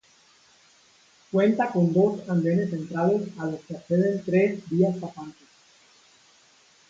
Cuenta con dos andenes centrales a los que acceden tres vías pasantes.